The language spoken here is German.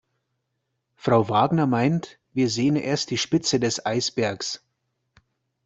Frau Wagner meint, wir sehen erst die Spitze des Eisbergs.